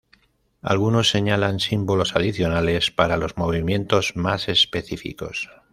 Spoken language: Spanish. Algunos señalan símbolos adicionales para los movimientos más específicos.